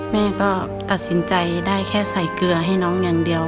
แม่ก็ตัดสินใจได้แค่ใส่เกลือให้น้องอย่างเดียว